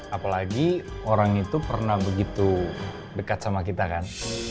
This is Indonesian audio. apalagi orang itu pernah begitu dekat sama kita kan